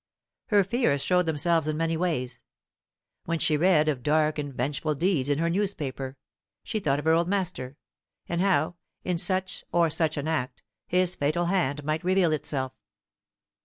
Her fears showed themselves in many ways. When she read of dark and vengeful deeds in her newspaper, she thought of her old master, and how, in such or such an act, his fatal hand might reveal itself.